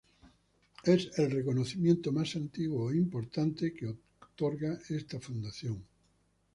Es el reconocimiento más antiguo e importante que otorga esta fundación.